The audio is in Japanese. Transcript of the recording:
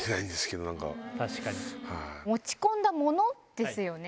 持ち込んだものですよね。